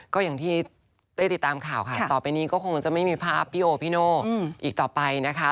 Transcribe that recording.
ก็อย่างที่ได้ติดตามข่าวค่ะต่อไปนี้ก็คงจะไม่มีภาพพี่โอพี่โน่อีกต่อไปนะคะ